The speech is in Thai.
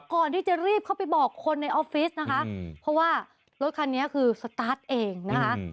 ก่อนที่จะรีบเข้าไปบอกคนในออฟฟิศนะคะเพราะว่ารถคันนี้คือสตาร์ทเองนะคะ